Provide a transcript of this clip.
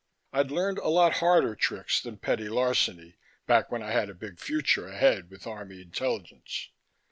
I'd learned a lot harder tricks than petty larceny back when I had a big future ahead with Army Intelligence.